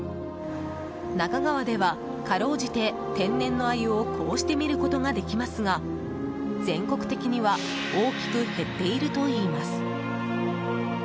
那珂川では、かろうじて天然のアユをこうして見ることができますが全国的には大きく減っているといいます。